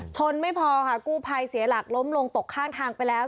ไม่พอค่ะกู้ภัยเสียหลักล้มลงตกข้างทางไปแล้ว